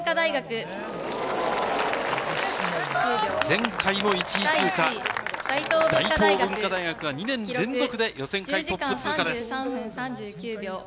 前回も１位通過、大東文化大学が２年連続で予選会トップ通過です。